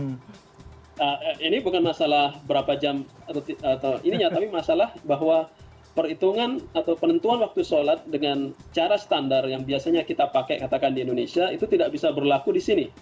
nah ini bukan masalah berapa jam atau ininya tapi masalah bahwa perhitungan atau penentuan waktu sholat dengan cara standar yang biasanya kita pakai katakan di indonesia itu tidak bisa berlaku di sini